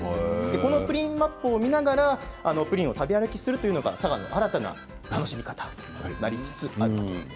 このプリンマップを見ながらプリンを食べ歩きするというのが佐賀の新たな楽しみ方になりつつあるんです。